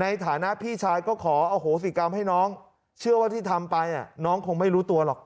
ในฐานะพี่ชายก็ขออโหสิกรรมให้น้องเชื่อว่าที่ทำไปน้องคงไม่รู้ตัวหรอก